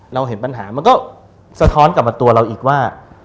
เราเห็นปัญหามันก็สะท้อนกลับมาตัวเราอีกว่า